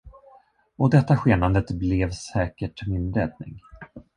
Och detta skenandet blev säkert min räddning.